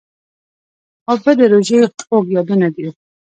اوبه د روژې خوږ یادونه ده.